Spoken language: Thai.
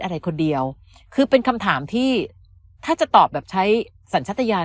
อะไรคนเดียวคือเป็นคำถามที่ถ้าจะตอบแบบใช้สัญชัตยาน